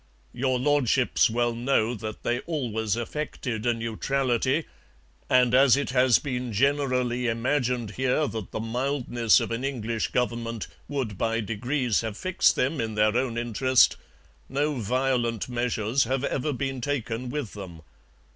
Your Lordships well know that they always affected a neutrality, and as it has been generally imagined here that the mildness of an English Government would by degrees have fixed them in their own interest, no violent measures have ever been taken with them.